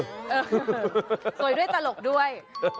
สวยด้วยตลกด้วย